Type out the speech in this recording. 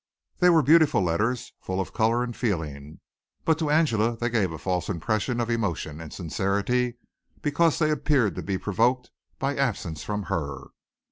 They were beautiful letters, full of color and feeling, but to Angela they gave a false impression of emotion and sincerity because they appeared to be provoked by absence from her.